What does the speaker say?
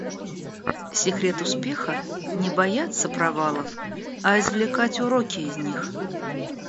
Секрет успеха - не бояться провалов, а извлекать уроки из них.